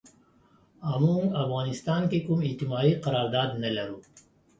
او مونږ افغانستان کې کوم اجتماعي قرارداد نه لرو